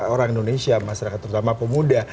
orang indonesia masyarakat terutama pemuda